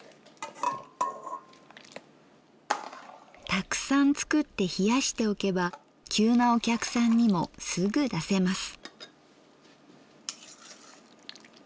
たくさん作って冷やしておけば急なお客さんにもすぐ出せます。